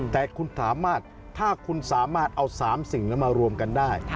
แต่คุณสามารถถ้าคุณสามารถเอา๓สิ่งนั้นมารวมกันได้